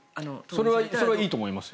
それはいいと思いますよ。